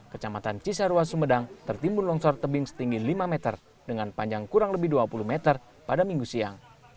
kecamatan cisarua sumedang tertimbun longsor tebing setinggi lima meter dengan panjang kurang lebih dua puluh meter pada minggu siang